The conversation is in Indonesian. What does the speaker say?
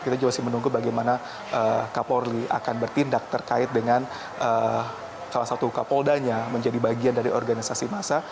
kita juga masih menunggu bagaimana kapolri akan bertindak terkait dengan salah satu kapoldanya menjadi bagian dari organisasi masa